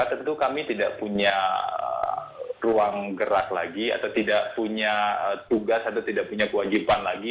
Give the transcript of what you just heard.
tentu kami tidak punya ruang gerak lagi atau tidak punya tugas atau tidak punya kewajiban lagi